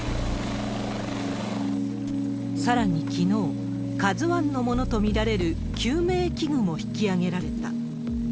さらにきのう、ＫＡＺＵＩのものと見られる救命器具も引き揚げられた。